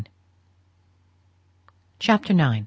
CHAPTER IX.